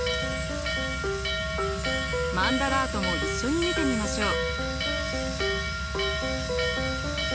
マンダラートも一緒に見てみましょう。